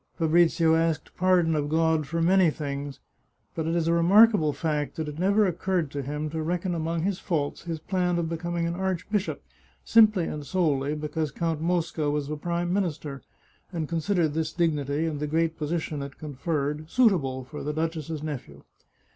Fabrizio asked pardon of God for many things, but it is a remarkable fact that it never occurred to him to reckon among his faults his plan of becoming an archbishop simply and solely because Count Mosca was a prime minister, and considered this dignity, and the great position it conferred, suitable for the duchess's nephew.